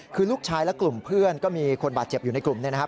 คือลูกชายและกลุ่มเพื่อนก็มีคนบาดเจ็บอยู่ในกลุ่มเนี่ยนะครับ